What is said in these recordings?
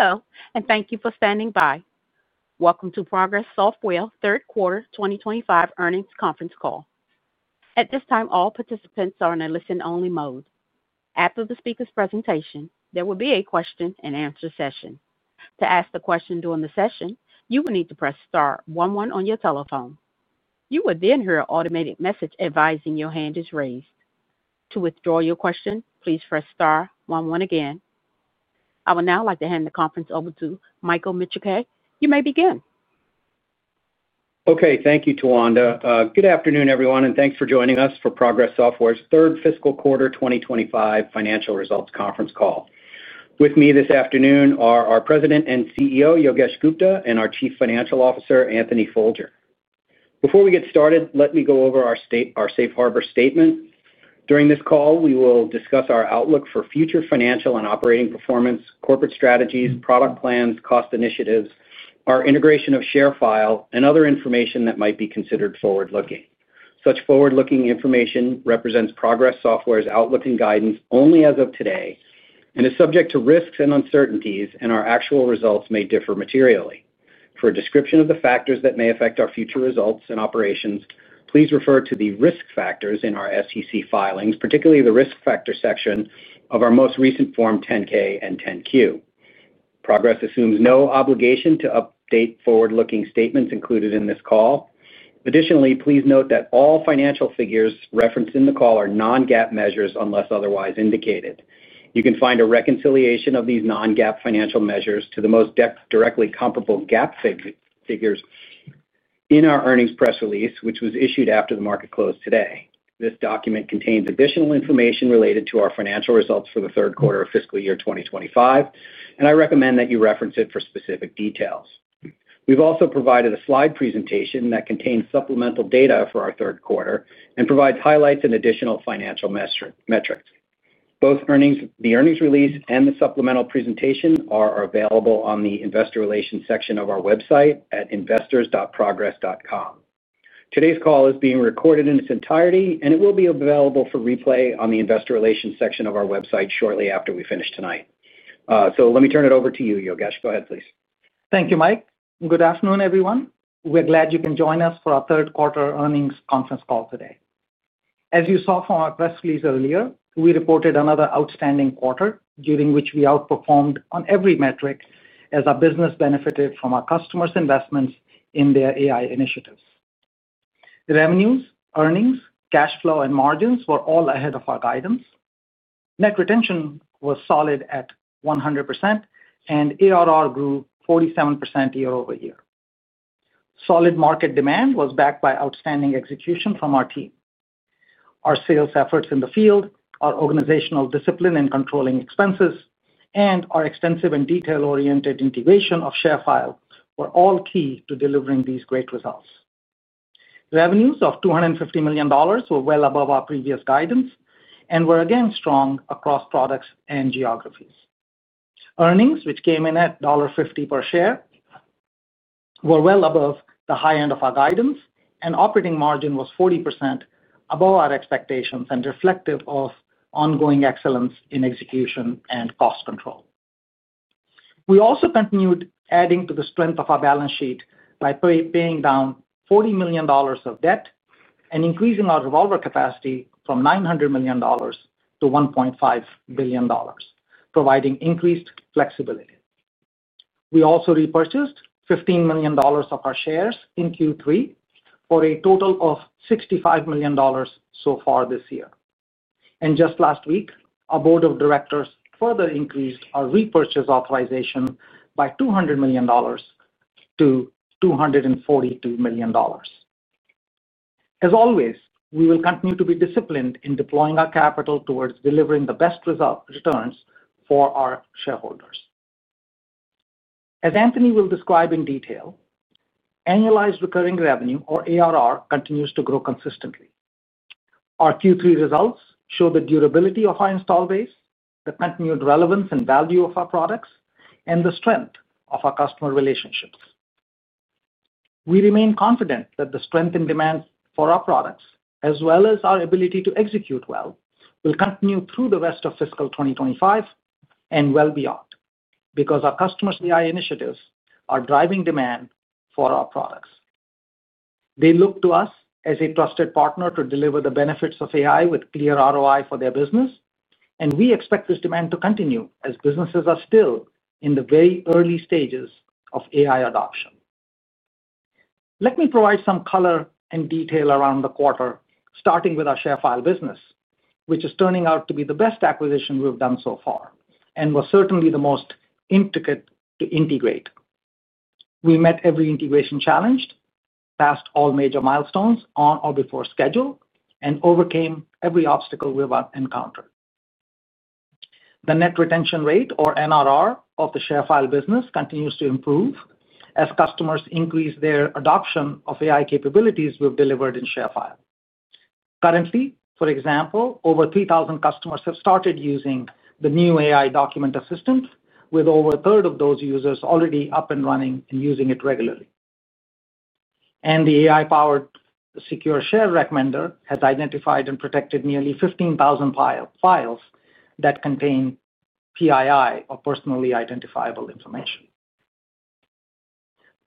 Hello, and thank you for standing by. Welcome to Progress Software's third quarter 2025 earnings conference call. At this time, all participants are in a listen-only mode. After the speaker's presentation, there will be a question and answer session. To ask a question during the session, you will need to press *11 on your telephone. You will then hear an automated message advising your hand is raised. To withdraw your question, please press *11 again. I would now like to hand the conference over to Michael Micciche. You may begin. Okay. Thank you, Tuanda. Good afternoon, everyone, and thanks for joining us for Progress Software's third fiscal quarter 2025 financial results conference call. With me this afternoon are our President and CEO, Yogesh Gupta, and our Chief Financial Officer, Anthony Folger. Before we get started, let me go over our Safe Harbor statement. During this call, we will discuss our outlook for future financial and operating performance, corporate strategies, product plans, cost initiatives, our integration of ShareFile, and other information that might be considered forward-looking. Such forward-looking information represents Progress Software's outlook and guidance only as of today and is subject to risks and uncertainties, and our actual results may differ materially. For a description of the factors that may affect our future results and operations, please refer to the risk factors in our SEC filings, particularly the risk factor section of our most recent Form 10-K and 10-Q. Progress Software assumes no obligation to update forward-looking statements included in this call. Additionally, please note that all financial figures referenced in the call are non-GAAP measures unless otherwise indicated. You can find a reconciliation of these non-GAAP financial measures to the most directly comparable GAAP figures in our earnings press release, which was issued after the market closed today. This document contains additional information related to our financial results for the third quarter of fiscal year 2025, and I recommend that you reference it for specific details. We have also provided a slide presentation that contains supplemental data for our third quarter and provides highlights and additional financial metrics. Both the earnings release and the supplemental presentation are available on the investor relations section of our website at investors.progress.com. Today's call is being recorded in its entirety, and it will be available for replay on the investor relations section of our website shortly after we finish tonight. Let me turn it over to you, Yogesh. Go ahead, please. Thank you, Mike. Good afternoon, everyone. We're glad you can join us for our third quarter earnings conference call today. As you saw from our press release earlier, we reported another outstanding quarter during which we outperformed on every metric as our business benefited from our customers' investments in their AI initiatives. The revenues, earnings, cash flow, and margins were all ahead of our guidance. Net retention was solid at 100%, and ARR grew 47% year over year. Solid market demand was backed by outstanding execution from our team. Our sales efforts in the field, our organizational discipline in controlling expenses, and our extensive and detail-oriented integration of ShareFile were all key to delivering these great results. Revenues of $250 million were well above our previous guidance and were again strong across products and geographies. Earnings, which came in at $1.50 per share, were well above the high end of our guidance, and operating margin was 40% above our expectations and reflective of ongoing excellence in execution and cost control. We also continued adding to the strength of our balance sheet by paying down $40 million of debt and increasing our revolver capacity from $900 million to $1.5 billion, providing increased flexibility. We also repurchased $15 million of our shares in Q3 for a total of $65 million so far this year. Just last week, our board of directors further increased our repurchase authorization by $200 million to $242 million. As always, we will continue to be disciplined in deploying our capital towards delivering the best returns for our shareholders. As Anthony will describe in detail, annualized recurring revenue, or ARR, continues to grow consistently. Our Q3 results show the durability of our install base, the continued relevance and value of our products, and the strength of our customer relationships. We remain confident that the strength in demand for our products, as well as our ability to execute well, will continue through the rest of fiscal 2025 and well beyond because our customers' AI initiatives are driving demand for our products. They look to us as a trusted partner to deliver the benefits of AI with clear ROI for their business, and we expect this demand to continue as businesses are still in the very early stages of AI adoption. Let me provide some color and detail around the quarter, starting with our ShareFile business, which is turning out to be the best acquisition we've done so far and was certainly the most intricate to integrate. We met every integration challenge, passed all major milestones on or before schedule, and overcame every obstacle we've encountered. The net retention rate, or NRR, of the ShareFile business continues to improve as customers increase their adoption of AI capabilities we've delivered in ShareFile. Currently, for example, over 3,000 customers have started using the new AI document assistant, with over a third of those users already up and running and using it regularly. The AI-powered secure share recommender has identified and protected nearly 15,000 files that contain PII, or personally identifiable information.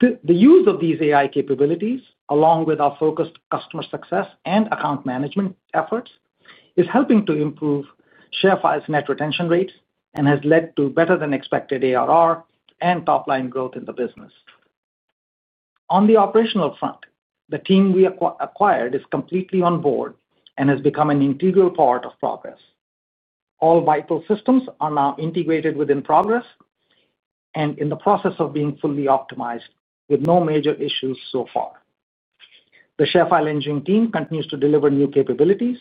The use of these AI capabilities, along with our focused customer success and account management efforts, is helping to improve ShareFile's net retention rate and has led to better-than-expected ARR and top-line growth in the business. On the operational front, the team we acquired is completely on board and has become an integral part of Progress Software. All vital systems are now integrated within Progress Software and in the process of being fully optimized with no major issues so far. The ShareFile engine team continues to deliver new capabilities.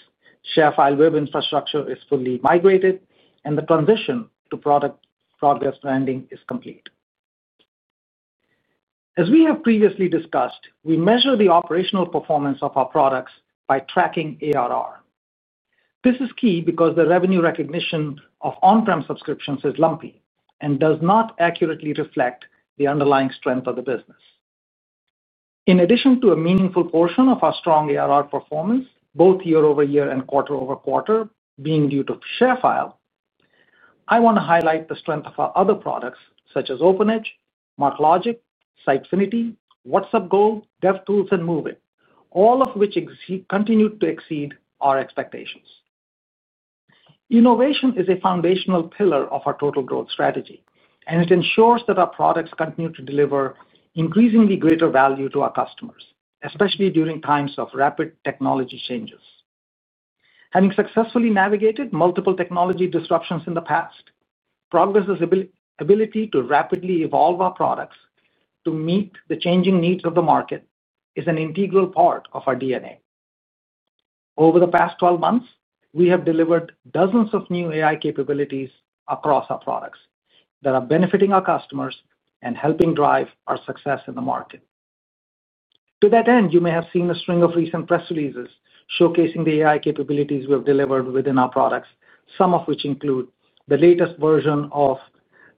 ShareFile web infrastructure is fully migrated, and the transition to Progress Software branding is complete. As we have previously discussed, we measure the operational performance of our products by tracking ARR. This is key because the revenue recognition of on-prem subscriptions is lumpy and does not accurately reflect the underlying strength of the business. In addition to a meaningful portion of our strong ARR performance, both year over year and quarter over quarter, being due to ShareFile, I want to highlight the strength of our other products such as OpenEdge, MarkLogic, Sitefinity, WhatsUp Gold, DevTools, and MoveIt, all of which continue to exceed our expectations. Innovation is a foundational pillar of our total growth strategy, and it ensures that our products continue to deliver increasingly greater value to our customers, especially during times of rapid technology changes. Having successfully navigated multiple technology disruptions in the past, Progress Software's ability to rapidly evolve our products to meet the changing needs of the market is an integral part of our DNA. Over the past 12 months, we have delivered dozens of new AI capabilities across our products that are benefiting our customers and helping drive our success in the market. To that end, you may have seen a string of recent press releases showcasing the AI capabilities we have delivered within our products, some of which include the latest version of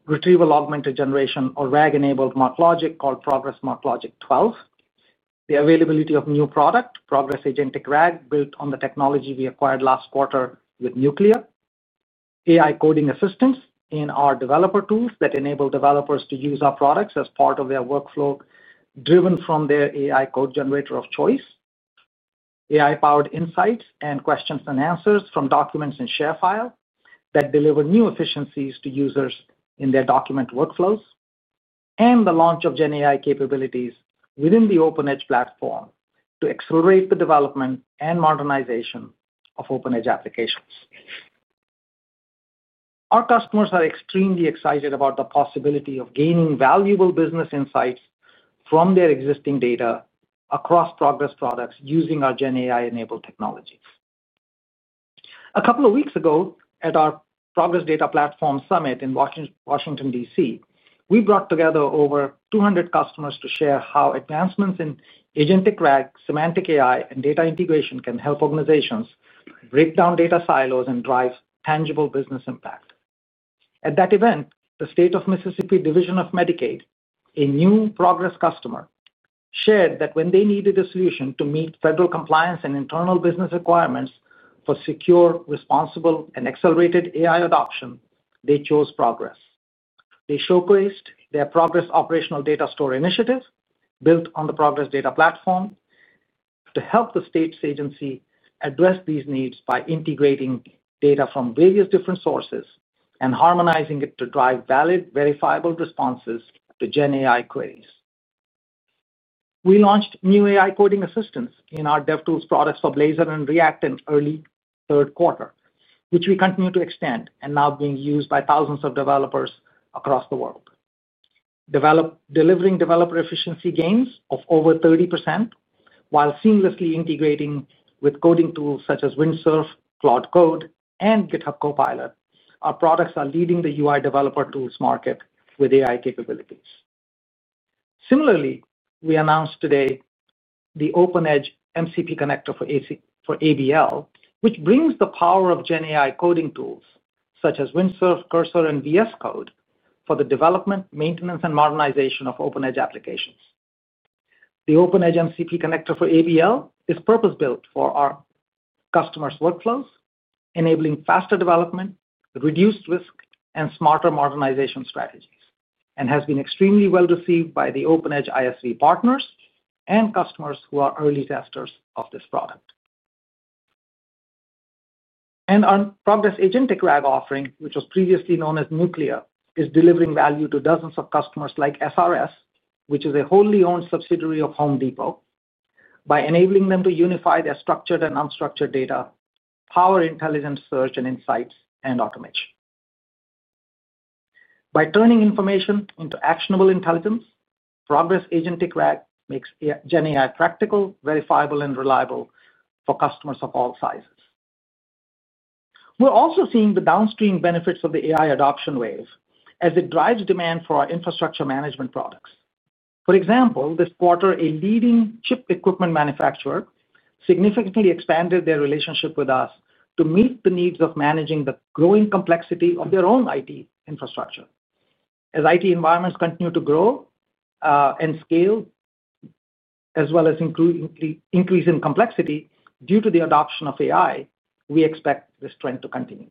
retrieval augmented generation or RAG-enabled MarkLogic called Progress MarkLogic 12, the availability of new product Progress Agentic RAG built on the technology we acquired last quarter with Nuclea, AI coding assistants, and our developer tools that enable developers to use our products as part of their workflow driven from their AI code generator of choice, AI-powered insights and questions and answers from documents in ShareFile that deliver new efficiencies to users in their document workflows, and the launch of GenAI capabilities within the OpenEdge platform to accelerate the development and modernization of OpenEdge applications. Our customers are extremely excited about the possibility of gaining valuable business insights from their existing data across Progress products using our GenAI-enabled technology. A couple of weeks ago, at our Progress Data Platform Summit in Washington, D.C., we brought together over 200 customers to share how advancements in Agentic RAG, Semantic AI, and data integration can help organizations break down data silos and drive tangible business impact. At that event, the State of Mississippi Division of Medicaid, a new Progress customer, shared that when they needed a solution to meet federal compliance and internal business requirements for secure, responsible, and accelerated AI adoption, they chose Progress. They showcased their Progress operational data store initiative built on the Progress Data Platform to help the state's agency address these needs by integrating data from various different sources and harmonizing it to drive valid, verifiable responses to GenAI queries. We launched new AI coding assistants in our DevTools products for Blazor and React in early third quarter, which we continue to extend and now being used by thousands of developers across the world. Delivering developer efficiency gains of over 30% while seamlessly integrating with coding tools such as Windsurf, Cloud Code, and GitHub Copilot, our products are leading the UI developer tools market with AI capabilities. Similarly, we announced today the OpenEdge MCP Connector for ABL, which brings the power of GenAI coding tools such as Windsurf, Cursor, and VS Code for the development, maintenance, and modernization of OpenEdge applications. The OpenEdge MCP Connector for ABL is purpose-built for our customers' workflows, enabling faster development, reduced risk, and smarter modernization strategies, and has been extremely well received by the OpenEdge ISV partners and customers who are early testers of this product. Our Progress Agentic RAG offering, which was previously known as Nuclea, is delivering value to dozens of customers like SRS, which is a wholly owned subsidiary of Home Depot, by enabling them to unify their structured and unstructured data, power intelligence search and insights, and automation. By turning information into actionable intelligence, Progress Agentic RAG makes GenAI practical, verifiable, and reliable for customers of all sizes. We're also seeing the downstream benefits of the AI adoption wave as it drives demand for our infrastructure management products. For example, this quarter, a leading chip equipment manufacturer significantly expanded their relationship with us to meet the needs of managing the growing complexity of their own IT infrastructure. As IT environments continue to grow and scale, as well as increasing complexity due to the adoption of AI, we expect this trend to continue.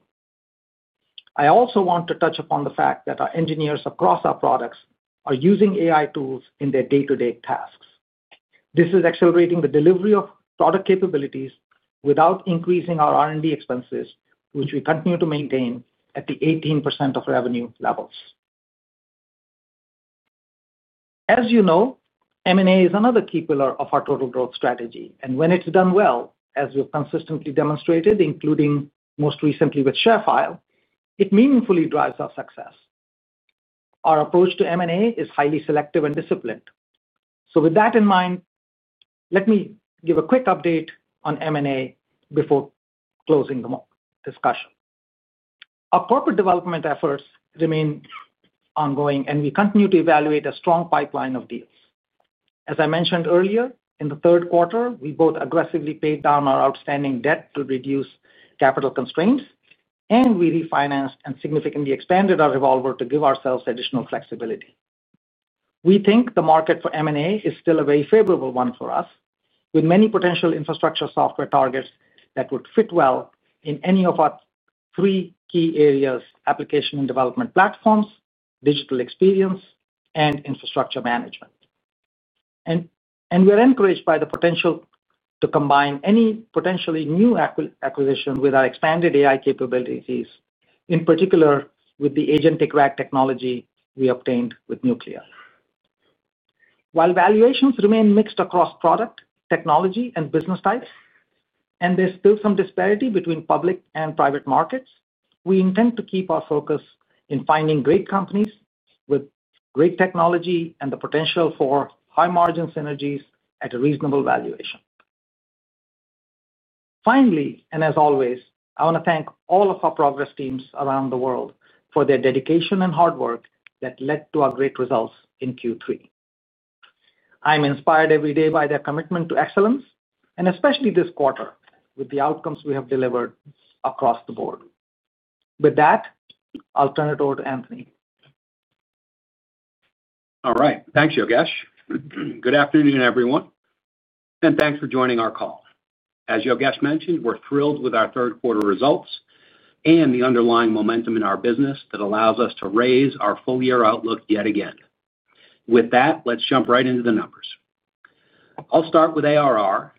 I also want to touch upon the fact that our engineers across our products are using AI tools in their day-to-day tasks. This is accelerating the delivery of product capabilities without increasing our R&D expenses, which we continue to maintain at the 18% of revenue levels. As you know, M&A is another key pillar of our total growth strategy, and when it's done well, as we've consistently demonstrated, including most recently with ShareFile, it meaningfully drives our success. Our approach to M&A is highly selective and disciplined. With that in mind, let me give a quick update on M&A before closing the discussion. Our corporate development efforts remain ongoing, and we continue to evaluate a strong pipeline of deals. As I mentioned earlier, in the third quarter, we both aggressively paid down our outstanding debt to reduce capital constraints, and we refinanced and significantly expanded our revolver to give ourselves additional flexibility. We think the market for M&A is still a very favorable one for us, with many potential infrastructure software targets that would fit well in any of our three key areas: application and development platforms, digital experience, and infrastructure management. We are encouraged by the potential to combine any potentially new acquisition with our expanded AI capabilities, in particular with the Agentic RAG technology we obtained with Nuclea. While valuations remain mixed across product, technology, and business types, and there's still some disparity between public and private markets, we intend to keep our focus in finding great companies with great technology and the potential for high margin synergies at a reasonable valuation. Finally, as always, I want to thank all of our Progress teams around the world for their dedication and hard work that led to our great results in Q3. I'm inspired every day by their commitment to excellence, especially this quarter with the outcomes we have delivered across the board. With that, I'll turn it over to Anthony. All right. Thanks, Yogesh. Good afternoon, everyone, and thanks for joining our call. As Yogesh mentioned, we're thrilled with our third quarter results and the underlying momentum in our business that allows us to raise our full-year outlook yet again. With that, let's jump right into the numbers. I'll start with ARR,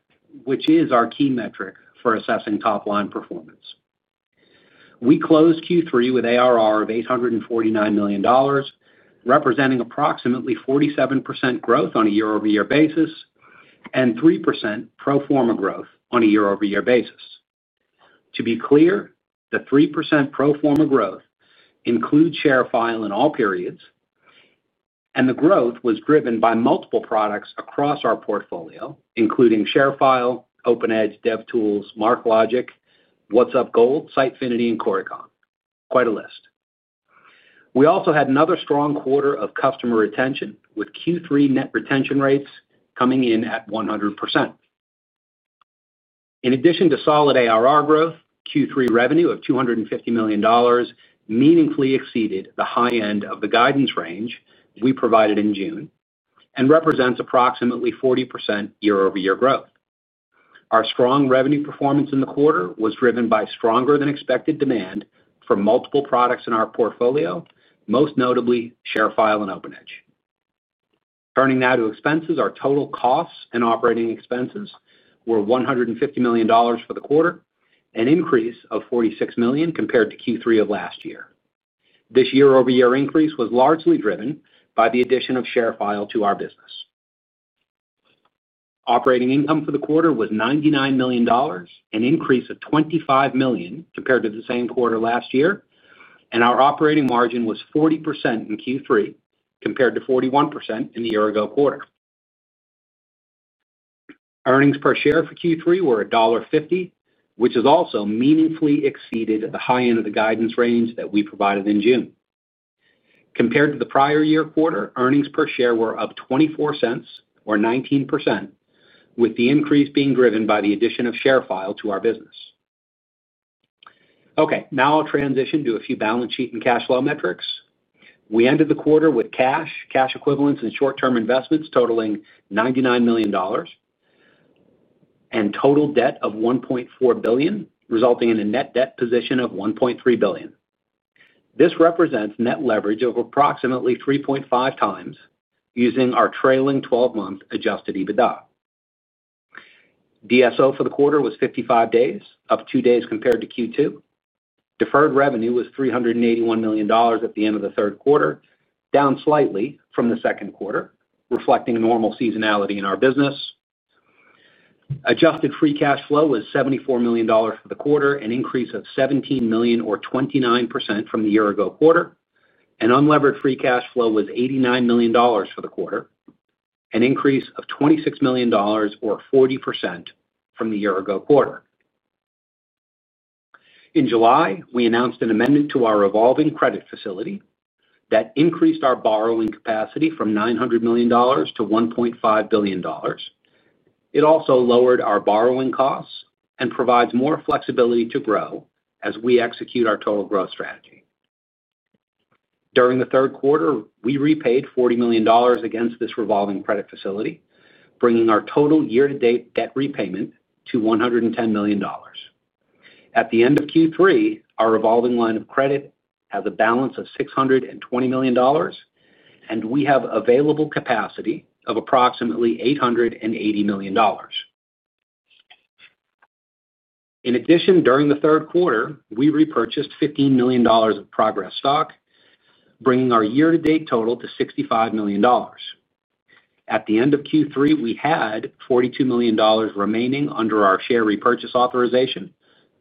which is our key metric for assessing top-line performance. We closed Q3 with ARR of $849 million, representing approximately 47% growth on a year-over-year basis and 3% pro forma growth on a year-over-year basis. To be clear, the 3% pro forma growth includes ShareFile in all periods, and the growth was driven by multiple products across our portfolio, including ShareFile, OpenEdge, DevTools, MarkLogic, WhatsUp Gold, Sitefinity, and Coricon. Quite a list. We also had another strong quarter of customer retention, with Q3 net retention rates coming in at 100%. In addition to solid ARR growth, Q3 revenue of $250 million meaningfully exceeded the high end of the guidance range we provided in June and represents approximately 40% year-over-year growth. Our strong revenue performance in the quarter was driven by stronger-than-expected demand for multiple products in our portfolio, most notably ShareFile and OpenEdge. Turning now to expenses, our total costs and operating expenses were $150 million for the quarter, an increase of $46 million compared to Q3 of last year. This year-over-year increase was largely driven by the addition of ShareFile to our business. Operating income for the quarter was $99 million, an increase of $25 million compared to the same quarter last year, and our operating margin was 40% in Q3 compared to 41% in the year-ago quarter. Earnings per share for Q3 were $1.50, which also meaningfully exceeded the high end of the guidance range that we provided in June. Compared to the prior year quarter, earnings per share were up $0.24 or 19%, with the increase being driven by the addition of ShareFile to our business. Okay. Now I'll transition to a few balance sheet and cash flow metrics. We ended the quarter with cash, cash equivalents, and short-term investments totaling $99 million, and total debt of $1.4 billion, resulting in a net debt position of $1.3 billion. This represents net leverage of approximately 3.5 times using our trailing 12-month adjusted EBITDA. DSO for the quarter was 55 days, up two days compared to Q2. Deferred revenue was $381 million at the end of the third quarter, down slightly from the second quarter, reflecting normal seasonality in our business. Adjusted free cash flow was $74 million for the quarter, an increase of $17 million or 29% from the year-ago quarter. Unlevered free cash flow was $89 million for the quarter, an increase of $26 million or 40% from the year-ago quarter. In July, we announced an amendment to our revolving credit facility that increased our borrowing capacity from $900 million to $1.5 billion. It also lowered our borrowing costs and provides more flexibility to grow as we execute our total growth strategy. During the third quarter, we repaid $40 million against this revolving credit facility, bringing our total year-to-date debt repayment to $110 million. At the end of Q3, our revolving line of credit has a balance of $620 million, and we have available capacity of approximately $880 million. In addition, during the third quarter, we repurchased $15 million of Progress Software stock, bringing our year-to-date total to $65 million. At the end of Q3, we had $42 million remaining under our share repurchase authorization.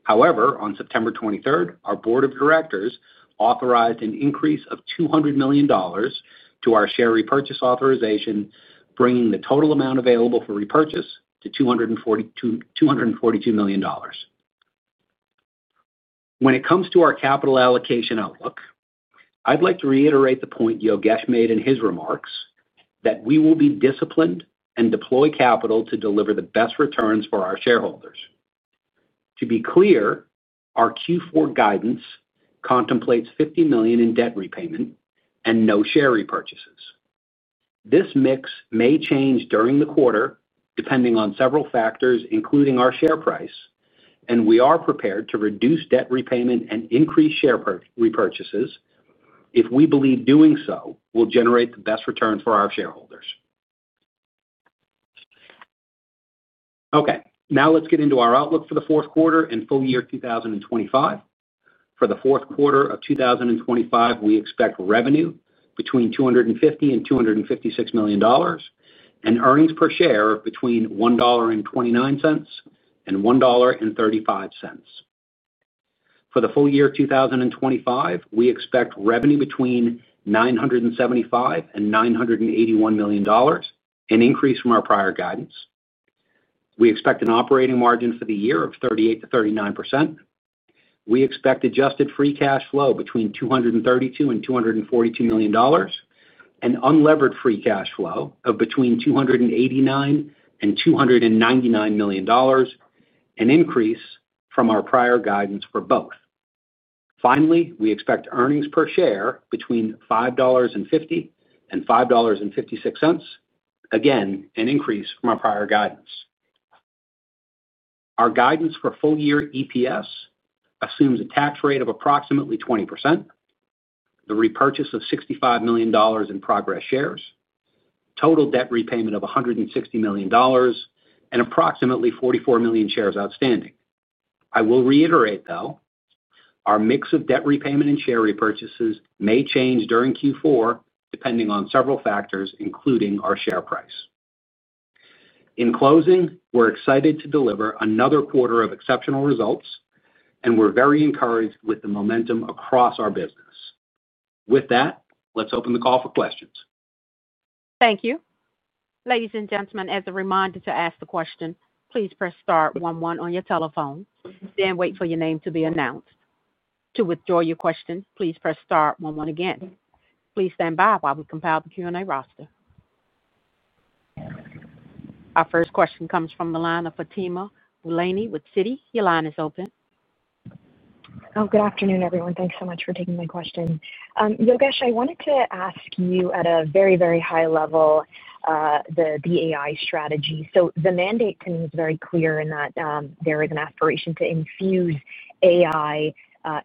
On September 23, our board of directors authorized an increase of $200 million to our share repurchase authorization, bringing the total amount available for repurchase to $242 million. When it comes to our capital allocation outlook, I'd like to reiterate the point Yogesh made in his remarks that we will be disciplined and deploy capital to deliver the best returns for our shareholders. To be clear, our Q4 guidance contemplates $50 million in debt repayment and no share repurchases. This mix may change during the quarter depending on several factors, including our share price, and we are prepared to reduce debt repayment and increase share repurchases if we believe doing so will generate the best returns for our shareholders. Now let's get into our outlook for the fourth quarter and full year 2025. For the fourth quarter of 2025, we expect revenue between $250 million and $256 million and earnings per share between $1.29 and $1.35. For the full year 2025, we expect revenue between $975 million and $981 million, an increase from our prior guidance. We expect an operating margin for the year of 38% to 39%. We expect adjusted free cash flow between $232 million and $242 million and unlevered free cash flow of between $289 million and $299 million, an increase from our prior guidance for both. Finally, we expect earnings per share between $5.50 and $5.56, again, an increase from our prior guidance. Our guidance for full-year EPS assumes a tax rate of approximately 20%, the repurchase of $65 million in Progress shares, total debt repayment of $160 million, and approximately 44 million shares outstanding. I will reiterate, though, our mix of debt repayment and share repurchases may change during Q4 depending on several factors, including our share price. In closing, we're excited to deliver another quarter of exceptional results, and we're very encouraged with the momentum across our business. With that, let's open the call for questions. Thank you. Ladies and gentlemen, as a reminder to ask the question, please press *11 on your telephone, then wait for your name to be announced. To withdraw your question, please press *11 again. Please stand by while we compile the Q&A roster. Our first question comes from the line of Fatima Boulani with Citigroup Global Markets. Your line is open. Oh, good afternoon, everyone. Thanks so much for taking my question. Yogesh, I wanted to ask you at a very, very high level the AI strategy. The mandate to me is very clear in that there is an aspiration to infuse AI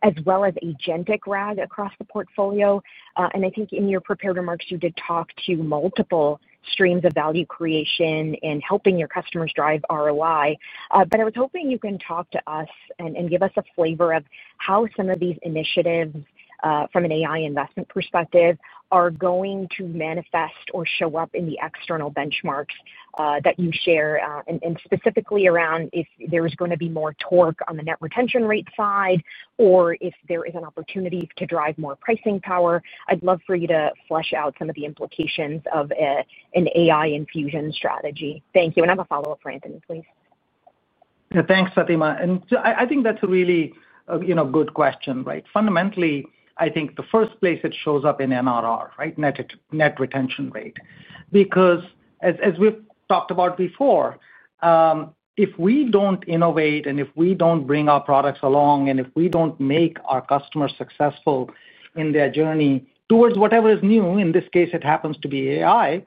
as well as Agentic RAG across the portfolio. I think in your prepared remarks, you did talk to multiple streams of value creation and helping your customers drive ROI. I was hoping you can talk to us and give us a flavor of how some of these initiatives from an AI investment perspective are going to manifest or show up in the external benchmarks that you share, specifically around if there is going to be more torque on the net retention rate side or if there is an opportunity to drive more pricing power. I'd love for you to flesh out some of the implications of an AI infusion strategy. Thank you. I have a follow-up for Anthony, please. Yeah, thanks, Fatima. I think that's a really good question, right? Fundamentally, I think the first place it shows up is in MRR, right, net retention rate. Because as we've talked about before, if we don't innovate and if we don't bring our products along and if we don't make our customers successful in their journey towards whatever is new, in this case, it happens to be AI,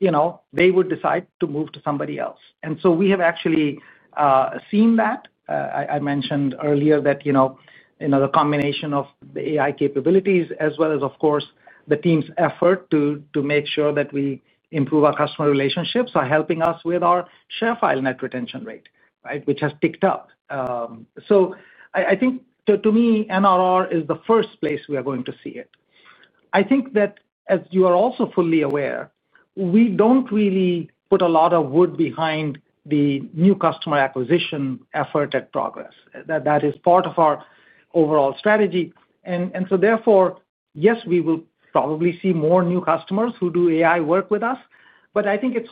you know, they would decide to move to somebody else. We have actually seen that. I mentioned earlier that the combination of the AI capabilities, as well as, of course, the team's effort to make sure that we improve our customer relationships, are helping us with our ShareFile net retention rate, which has picked up. To me, MRR is the first place we are going to see it. As you are also fully aware, we don't really put a lot of wood behind the new customer acquisition effort at Progress Software. That is part of our overall strategy. Therefore, yes, we will probably see more new customers who do AI work with us, but I think it's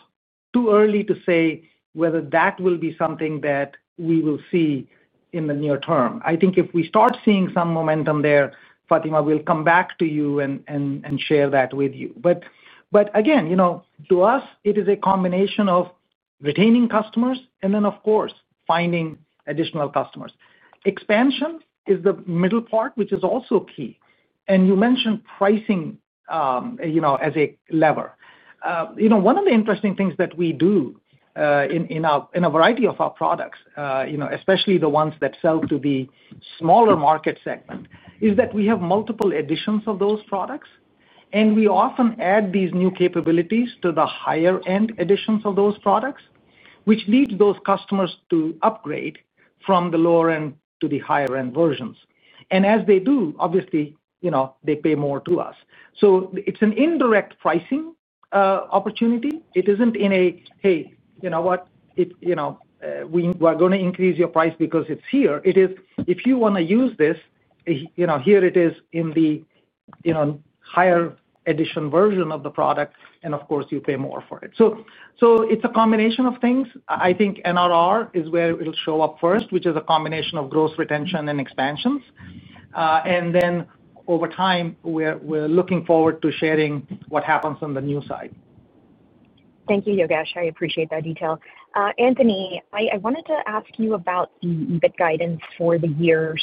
too early to say whether that will be something that we will see in the near term. If we start seeing some momentum there, Fatima, we'll come back to you and share that with you. Again, to us, it is a combination of retaining customers and then, of course, finding additional customers. Expansion is the middle part, which is also key. You mentioned pricing as a lever. One of the interesting things that we do in a variety of our products, especially the ones that sell to the smaller market segment, is that we have multiple editions of those products, and we often add these new capabilities to the higher-end editions of those products, which lead those customers to upgrade from the lower-end to the higher-end versions. As they do, obviously, they pay more to us. It's an indirect pricing opportunity. It isn't in a, "Hey, you know what? We are going to increase your price because it's here." It is, "If you want to use this, here it is in the higher edition version of the product, and of course, you pay more for it." It's a combination of things. I think MRR is where it'll show up first, which is a combination of gross retention and expansions. Over time, we're looking forward to sharing what happens on the new side. Thank you, Yogesh. I appreciate that detail. Anthony, I wanted to ask you about the EBIT guidance for the year.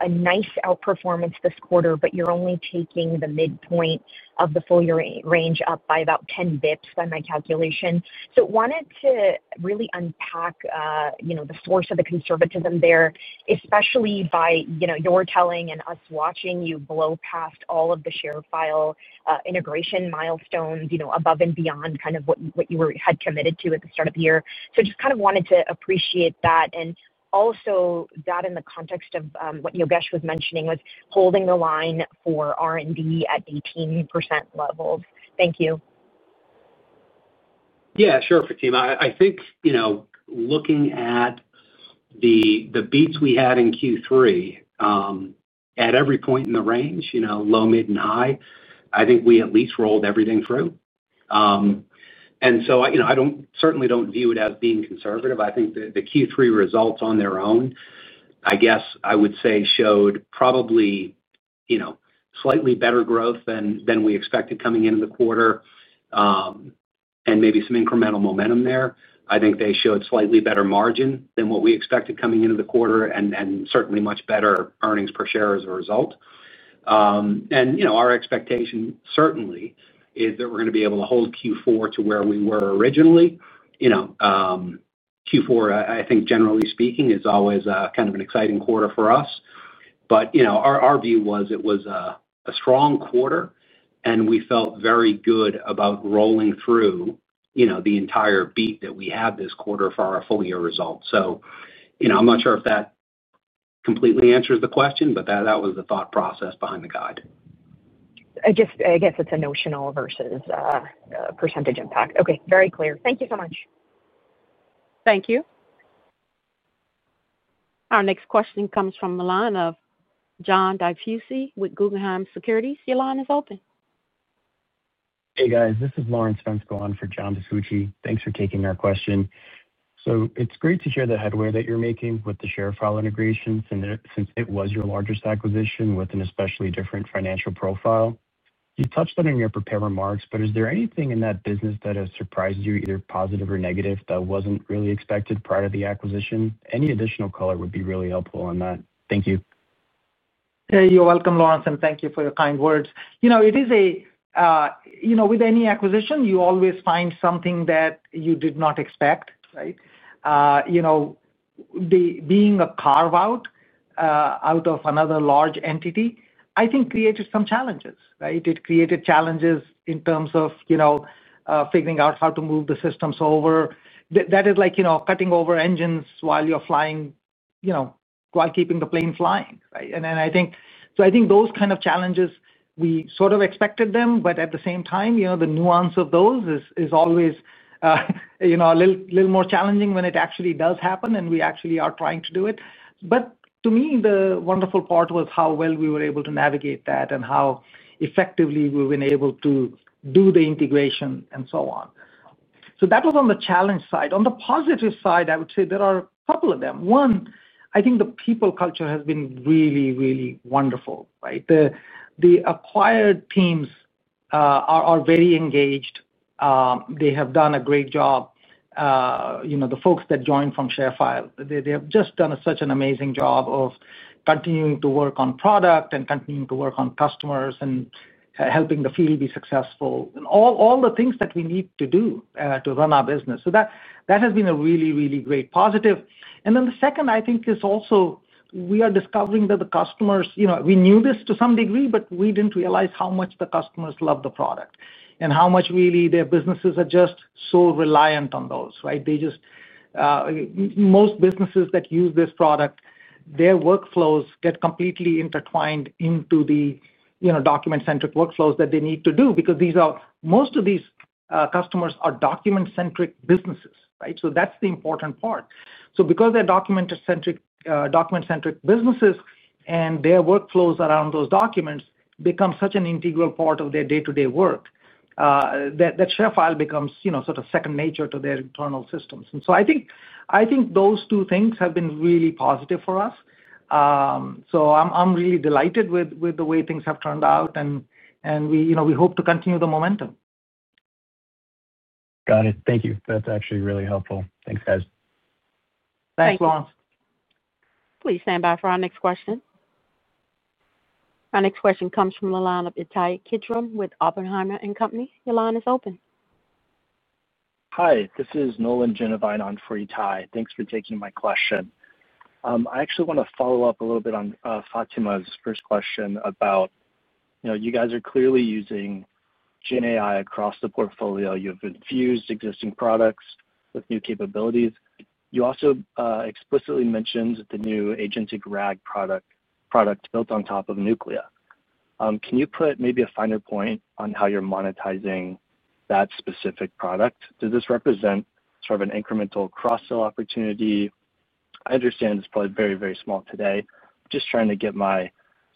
A nice outperformance this quarter, but you're only taking the midpoint of the full-year range up by about 10 bps by my calculation. I wanted to really unpack the source of the conservatism there, especially by your telling and us watching you blow past all of the ShareFile integration milestones, above and beyond what you had committed to at the start of the year. I just wanted to appreciate that, and also that in the context of what Yogesh was mentioning was holding the line for R&D at 18% levels. Thank you. Yeah, sure, Fatima. I think, you know, looking at the beats we had in Q3, at every point in the range, you know, low, mid, and high, I think we at least rolled everything through. I don't view it as being conservative. I think the Q3 results on their own, I guess I would say, showed probably slightly better growth than we expected coming into the quarter and maybe some incremental momentum there. I think they showed slightly better margin than what we expected coming into the quarter and certainly much better EPS as a result. Our expectation certainly is that we're going to be able to hold Q4 to where we were originally. Q4, I think generally speaking, is always kind of an exciting quarter for us. Our view was it was a strong quarter, and we felt very good about rolling through the entire beat that we had this quarter for our full-year results. I'm not sure if that completely answers the question, but that was the thought process behind the guide. I guess it's a notional versus a % impact. Okay. Very clear. Thank you so much. Thank you. Our next question comes from the line of John DiFucci with Guggenheim Securities. Your line is open. Hey, guys. This is Lawrence Spence-Golan for John DiFucci. Thanks for taking that question. It's great to hear the headway that you're making with the ShareFile integrations since it was your largest acquisition with an especially different financial profile. You touched on it in your prepared remarks, but is there anything in that business that has surprised you, either positive or negative, that wasn't really expected prior to the acquisition? Any additional color would be really helpful on that. Thank you. Yeah, you're welcome, Lawrence, and thank you for your kind words. You know, with any acquisition, you always find something that you did not expect, right? Being a carve-out out of another large entity, I think created some challenges, right? It created challenges in terms of figuring out how to move the systems over. That is like cutting over engines while you're flying, while keeping the plane flying, right? I think those kind of challenges, we sort of expected them, but at the same time, the nuance of those is always a little more challenging when it actually does happen and we actually are trying to do it. To me, the wonderful part was how well we were able to navigate that and how effectively we've been able to do the integration and so on. That was on the challenge side. On the positive side, I would say there are a couple of them. One, I think the people culture has been really, really wonderful, right? The acquired teams are very engaged. They have done a great job. The folks that joined from ShareFile, they have just done such an amazing job of continuing to work on product and continuing to work on customers and helping the field be successful and all the things that we need to do to run our business. That has been a really, really great positive. The second, I think, is also we are discovering that the customers, you know, we knew this to some degree, but we didn't realize how much the customers love the product and how much really their businesses are just so reliant on those, right? Most businesses that use this product, their workflows get completely intertwined into the document-centric workflows that they need to do because these are, most of these customers are document-centric businesses, right? That's the important part. Because they're document-centric businesses and their workflows around those documents become such an integral part of their day-to-day work, ShareFile becomes sort of second nature to their internal systems. I think those two things have been really positive for us. I'm really delighted with the way things have turned out, and we hope to continue the momentum. Got it. Thank you. That's actually really helpful. Thanks, guys. Thanks, Lawrence. Please stand by for our next question. Our next question comes from the line of Ittai Kidron with Oppenheimer & Co. Your line is open. Hi. This is Nolan Jenevein on for Ittai. Thanks for taking my question. I actually want to follow up a little bit on Fatima's first question about, you know, you guys are clearly using GenAI across the portfolio. You've infused existing products with new capabilities. You also explicitly mentioned the new Agentic RAG product built on top of Nuclea. Can you put maybe a finer point on how you're monetizing that specific product? Does this represent sort of an incremental cross-sell opportunity? I understand it's probably very, very small today. Just trying to get my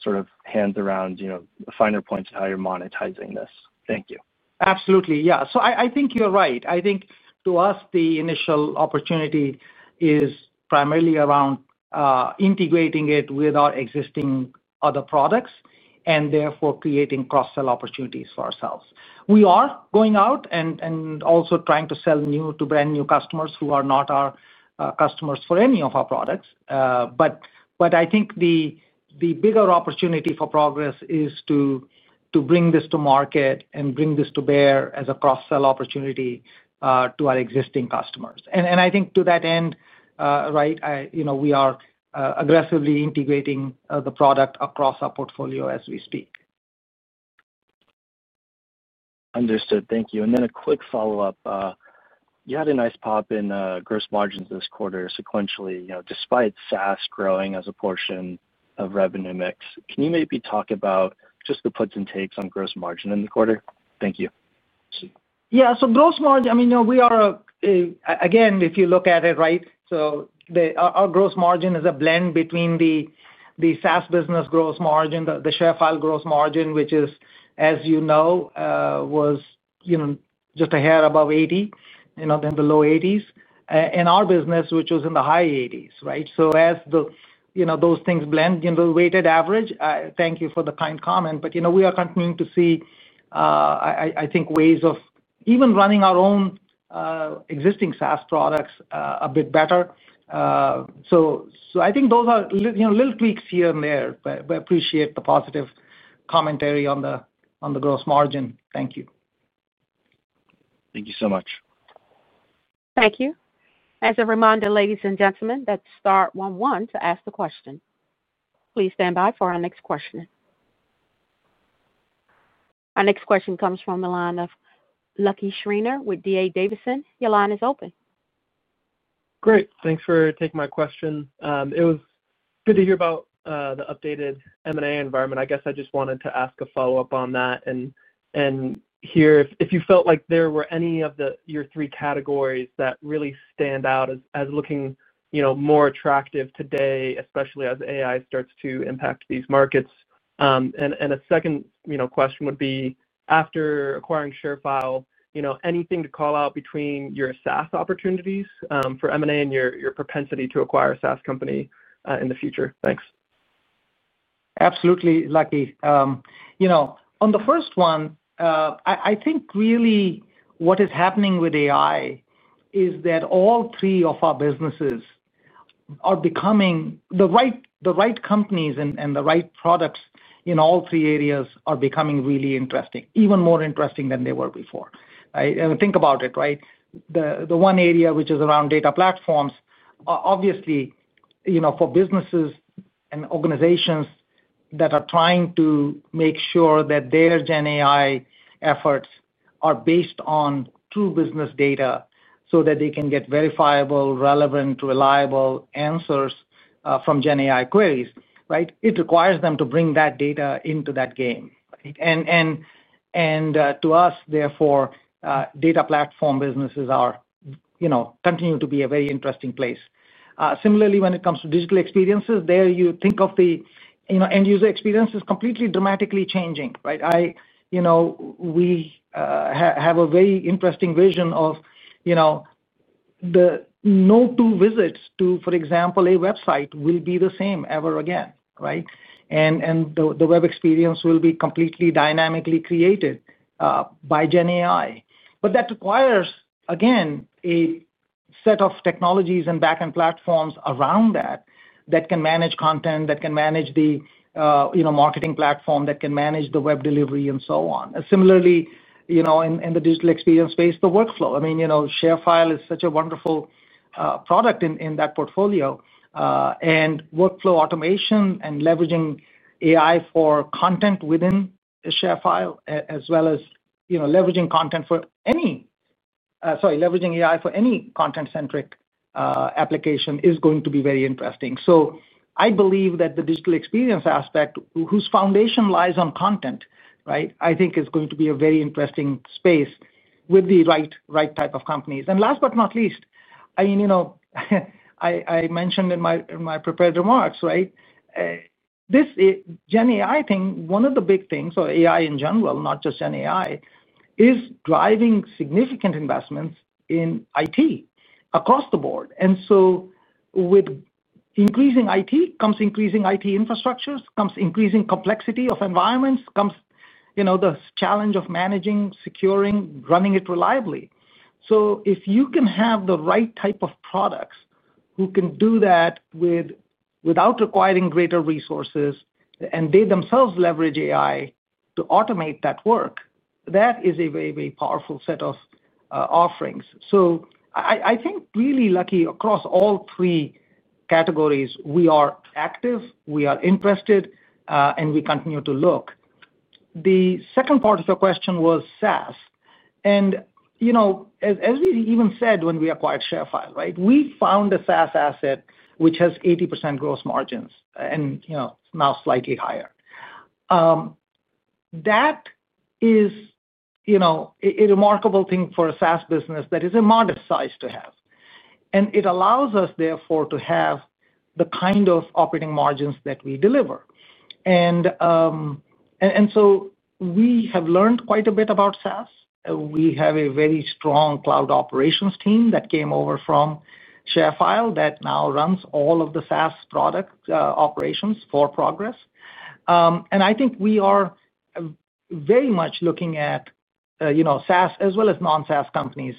sort of hands around, you know, the finer points of how you're monetizing this. Thank you. Absolutely. Yeah. I think you're right. I think to us, the initial opportunity is primarily around integrating it with our existing other products and therefore creating cross-sell opportunities for ourselves. We are going out and also trying to sell new to brand new customers who are not our customers for any of our products. I think the bigger opportunity for Progress Software is to bring this to market and bring this to bear as a cross-sell opportunity to our existing customers. I think to that end, right, you know, we are aggressively integrating the product across our portfolio as we speak. Understood. Thank you. A quick follow-up, you had a nice pop in gross margins this quarter sequentially, you know, despite SaaS growing as a portion of revenue mix. Can you maybe talk about just the puts and takes on gross margin in the quarter? Thank you. Yeah. Gross margin, I mean, you know, we are a, again, if you look at it, right, our gross margin is a blend between the SaaS business gross margin, the ShareFile gross margin, which is, as you know, was just a hair above 80, you know, then the low 80s, and our business, which was in the high 80s, right? As those things blend, the weighted average, thank you for the kind comment. We are continuing to see, I think, ways of even running our own existing SaaS products a bit better. I think those are little tweaks here and there, but I appreciate the positive commentary on the gross margin. Thank you. Thank you so much. Thank you. As a reminder, ladies and gentlemen, that's *11 to ask the question. Please stand by for our next question. Our next question comes from the line of Lucky Schreiner with D.A. Davidson. Your line is open. Great. Thanks for taking my question. It was good to hear about the updated M&A environment. I just wanted to ask a follow-up on that and hear if you felt like there were any of your three categories that really stand out as looking more attractive today, especially as AI starts to impact these markets. A second question would be, after acquiring ShareFile, anything to call out between your SaaS opportunities for M&A and your propensity to acquire a SaaS company in the future? Thanks. Absolutely, Lucky. You know, on the first one, I think really what is happening with AI is that all three of our businesses are becoming, the right companies and the right products in all three areas are becoming really interesting, even more interesting than they were before, right? I mean, think about it, right? The one area, which is around data platforms, obviously, you know, for businesses and organizations that are trying to make sure that their GenAI efforts are based on true business data so that they can get verifiable, relevant, reliable answers from GenAI queries, right? It requires them to bring that data into that game. To us, therefore, data platform businesses are, you know, continue to be a very interesting place. Similarly, when it comes to digital experiences, there you think of the, you know, end-user experience is completely dramatically changing, right? We have a very interesting vision of, you know, the no two visits to, for example, a website will be the same ever again, right? The web experience will be completely dynamically created by GenAI. That requires, again, a set of technologies and backend platforms around that that can manage content, that can manage the, you know, marketing platform, that can manage the web delivery, and so on. Similarly, you know, in the digital experience space, the workflow. ShareFile is such a wonderful product in that portfolio. Workflow automation and leveraging AI for content within ShareFile, as well as leveraging AI for any content-centric application, is going to be very interesting. I believe that the digital experience aspect, whose foundation lies on content, right, I think is going to be a very interesting space with the right type of companies. Last but not least, I mentioned in my prepared remarks, this GenAI thing, one of the big things, or AI in general, not just GenAI, is driving significant investments in IT across the board. With increasing IT comes increasing IT infrastructures, comes increasing complexity of environments, comes the challenge of managing, securing, running it reliably. If you can have the right type of products who can do that without requiring greater resources and they themselves leverage AI to automate that work, that is a very, very powerful set of offerings. I think really, Lucky, across all three categories, we are active, we are interested, and we continue to look. The second part of your question was SaaS. As we even said when we acquired ShareFile, we found a SaaS asset which has 80% gross margins and now slightly higher. That is a remarkable thing for a SaaS business that is a modest size to have. It allows us, therefore, to have the kind of operating margins that we deliver. We have learned quite a bit about SaaS. We have a very strong cloud operations team that came over from ShareFile that now runs all of the SaaS product operations for Progress Software. I think we are very much looking at SaaS as well as non-SaaS companies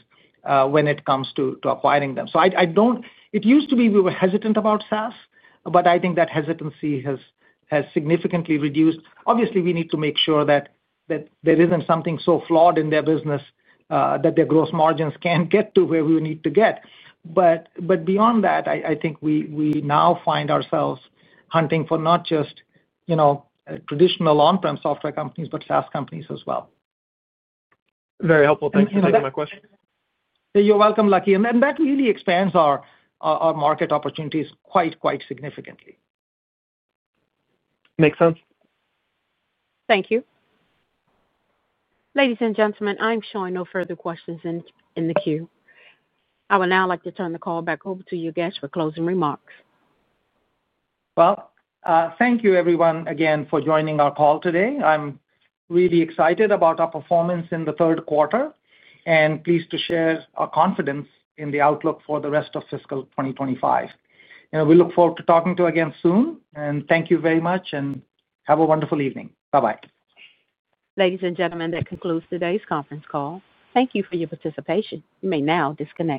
when it comes to acquiring them. It used to be we were hesitant about SaaS, but I think that hesitancy has significantly reduced. Obviously, we need to make sure that there isn't something so flawed in their business that their gross margins can't get to where we need to get. Beyond that, I think we now find ourselves hunting for not just traditional on-prem software companies, but SaaS companies as well. Very helpful. Thank you. Thank you, Michael. You're welcome, Lucky. That really expands our market opportunities quite, quite significantly. Makes sense. Thank you. Ladies and gentlemen, I'm showing no further questions in the queue. I would now like to turn the call back over to you, Yogesh, for closing remarks. Thank you, everyone, again for joining our call today. I'm really excited about our performance in the third quarter and pleased to share our confidence in the outlook for the rest of fiscal 2025. We look forward to talking to you again soon. Thank you very much, and have a wonderful evening. Bye-bye. Ladies and gentlemen, that concludes today's conference call. Thank you for your participation. You may now disconnect.